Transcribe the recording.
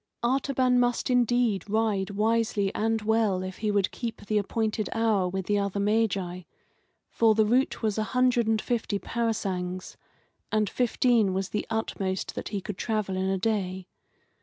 Artaban must indeed ride wisely and well if he would keep the appointed hour with the other Magi; for the route was a hundred and fifty parasangs, and fifteen was the utmost that he could travel in a day.